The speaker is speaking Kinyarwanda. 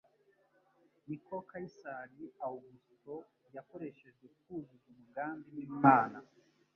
niko Kayisari Awugusito yakoreshejwe kuzuza umugambi w'Imana